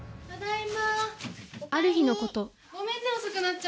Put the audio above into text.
ある日のこと